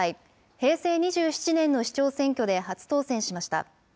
平成２７年の市長選挙で初当選しました。